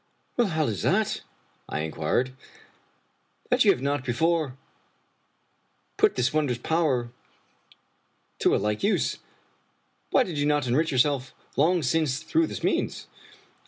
" How is it," I inquired, " that you have not before put this wondrous power to a like use? Why did you not enrich yourself long since through this means?"